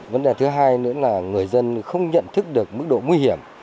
vấn đề thứ hai nữa là người dân không nhận thức được mức độ nguy hiểm